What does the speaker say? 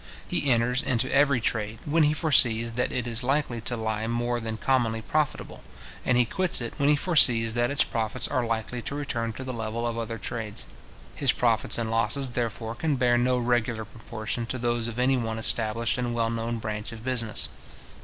He enters into every trade, when he foresees that it is likely to be more than commonly profitable, and he quits it when he foresees that its profits are likely to return to the level of other trades. His profits and losses, therefore, can bear no regular proportion to those of any one established and well known branch of business.